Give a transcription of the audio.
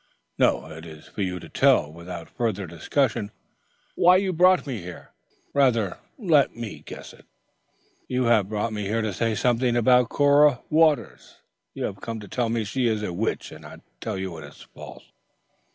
"No; it is for you to tell, without further discussion, why you brought me here. Rather let me guess it. You have brought me to say something to me about Cora Waters. You have come to tell me she is a witch, and I tell you it is false."